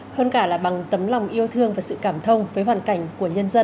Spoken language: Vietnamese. hơn cả là bằng tấm lòng yêu thương và sự cảm thông với hoàn cảnh của nhân dân